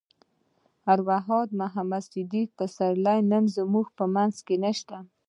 ارواښاد محمد صديق پسرلی نن زموږ په منځ کې نشته.